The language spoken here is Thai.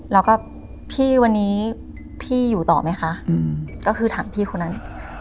แล้วก็พี่วันนี้พี่อยู่ต่อไหมคะก็คือถามพี่คนนั้น